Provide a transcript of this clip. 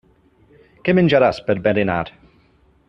Què menjaràs per berenar.